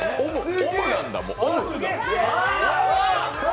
オムなんだ、オム。